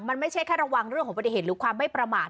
มันไม่ใช่แค่ระวังเรื่องของปฏิเหตุหรือความไม่ประมาท